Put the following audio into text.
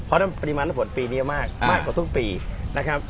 เพราะว่าปริมาณน้ำผลปีนี้มากอ่ามากกว่าทุกปีนะครับ